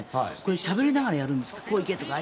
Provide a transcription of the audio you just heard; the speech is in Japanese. しゃべりながらやるんですか？